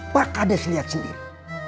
pak kades lihat sendiri